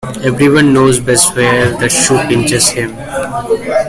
Every one knows best where the shoe pinches him.